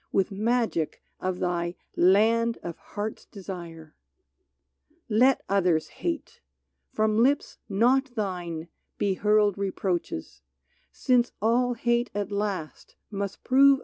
With magic of thy " Land of Heart's Desire !" Let others hate !— from lips not thine be hurled Reproaches ; since all hate at last must prove.